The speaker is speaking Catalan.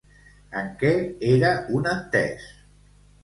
En què era un entès?